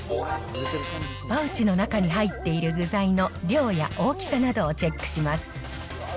パウチの中に入っている具材の量や大きさなどをチェックします。